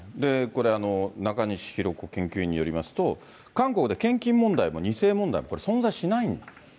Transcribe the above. これ、中西尋子研究員によりますと、韓国で献金問題も２世問題も存在しないんだと。